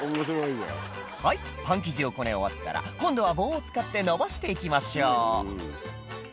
「はいパン生地をこね終わったら今度は棒を使ってのばして行きましょう」